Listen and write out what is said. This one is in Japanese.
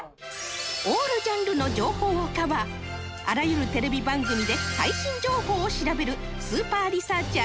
オールジャンルの情報をカバーあらゆるテレビ番組で最新情報を調べるスーパーリサーチャー